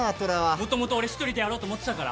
もともと俺１人でやろうと思ってたから。